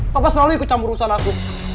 papa selalu ikut campur urusan aku